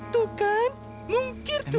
tuh kan mungkir tuh